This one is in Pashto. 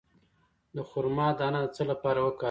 د خرما دانه د څه لپاره وکاروم؟